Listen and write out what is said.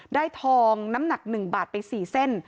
ทองน้ำหนัก๑บาทไป๔เส้น